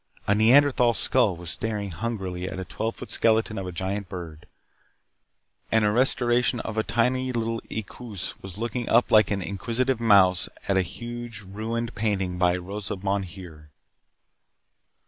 A Neanderthal skull was staring hungrily at a twelve foot skeleton of a giant bird. And a restoration of a tiny little equus was looking up like an inquisitive mouse at a huge ruined painting by Rosa Bonheur.